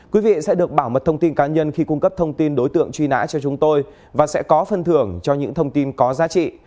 quý vị sẽ được bảo mật thông tin cá nhân khi cung cấp thông tin đối tượng truy nã cho chúng tôi và sẽ có phân thưởng cho những thông tin có giá trị